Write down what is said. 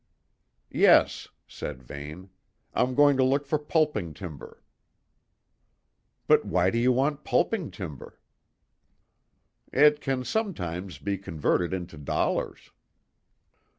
"Yes," said Vane; "I'm going to look for pulping timber." "But why do you want pulping timber?" "It can sometimes be converted into dollars."